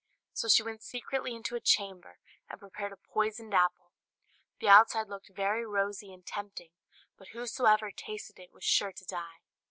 So she went secretly into a chamber, and prepared a poisoned apple; the outside looked very rosy and tempting, but whosoever tasted it was sure to die.